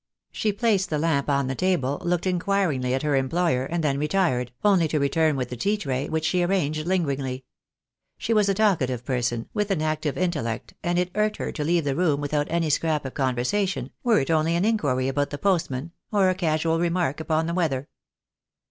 She placed the lamp on the table, looked inquiringly at her employer, and then retired, only to return with the tea tray, which she arranged lingeringly. She was a talkative person, with an active intellect, and it irked her to leave the room without any 60 THE DAY WILL COME. scrap of conversation, were it only an inquiry about the postman, or a casual remark upon the weather.